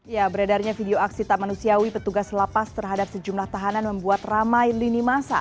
ya beredarnya video aksi tak manusiawi petugas lapas terhadap sejumlah tahanan membuat ramai lini masa